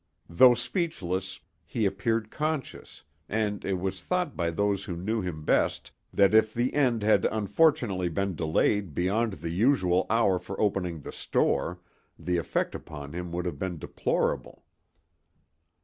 Though speechless, he appeared conscious, and it was thought by those who knew him best that if the end had unfortunately been delayed beyond the usual hour for opening the store the effect upon him would have been deplorable.